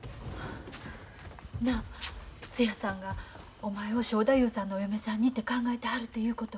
なあつやさんがお前を正太夫さんのお嫁さんにて考えてはるということは？